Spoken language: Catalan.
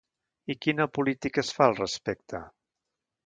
I quina política es fa al respecte?